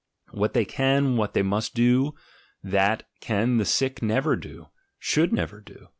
What they can, what they must do, that can the sick never do, should never do!